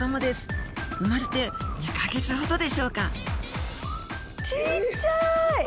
生まれて２か月ほどでしょうかちっちゃい！